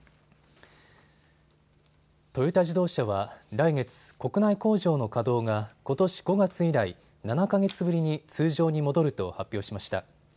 トヨタ自動車は来月、国内工場の稼働が、ことし５月以来、７か月ぶりに通常に戻ると発表しました。